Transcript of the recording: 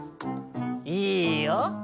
いいよ。